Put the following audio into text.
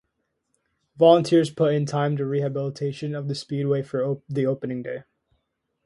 Volunteers put in time to rehabilitation of the speedway for the opening day.